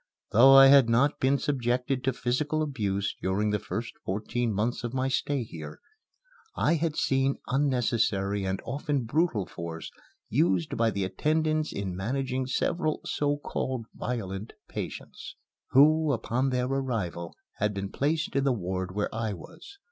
Though I had not been subjected to physical abuse during the first fourteen months of my stay here, I had seen unnecessary and often brutal force used by the attendants in managing several so called violent patients, who, upon their arrival, had been placed in the ward where I was.